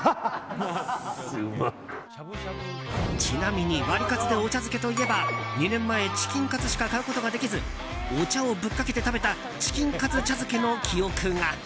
ちなみにワリカツでお茶漬けといえば２年前チキンカツしか買うことをできずお茶をぶっかけて食べたチキンカツ茶漬けの記憶が。